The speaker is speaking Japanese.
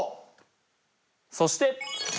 そして。